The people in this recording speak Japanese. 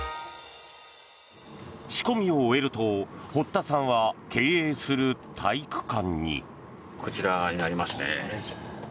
仕込みを終えると堀田さんは経営する体育館に。